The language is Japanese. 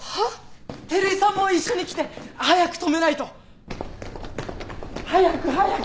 照井さんも一緒に来て！早く止めないと！早く早く！